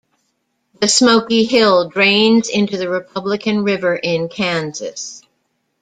The Smoky Hill drains into the Republican River in Kansas.